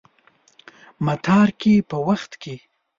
متارکې په وخت کې.